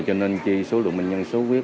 cho nên chi số lượng bệnh nhân sốt khuyết